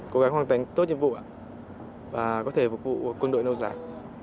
cố gắng hoàn thành tốt nhiệm vụ và có thể phục vụ quân đội nâu dài